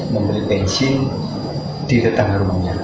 membeli bensin di tetangga rumahnya